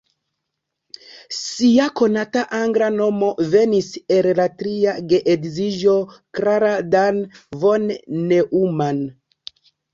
Ŝia konata angla nomo venis el la tria geedziĝo: "Klara Dan von Neumann".